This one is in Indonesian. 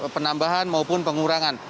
penambahan maupun pengurangan